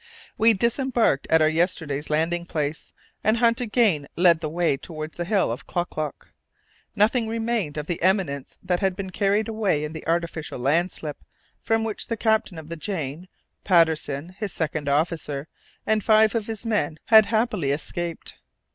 We disembarked at our yesterday's landing place, and Hunt again led the way towards the hill of Klock Klock. Nothing remained of the eminence that had been carried away in the artificial landslip, from which the captain of the Jane, Patterson, his second officer, and five of his men had happily escaped.